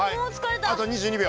はいあと２２秒。